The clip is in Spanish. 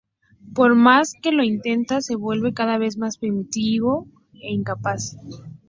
Por más que lo intenta, se vuelve cada vez más primitivo e incapaz.